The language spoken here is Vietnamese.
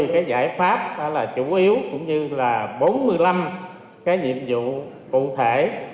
một mươi cái giải pháp đó là chủ yếu cũng như là bốn mươi năm cái nhiệm vụ cụ thể